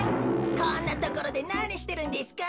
こんなところでなにしてるんですか？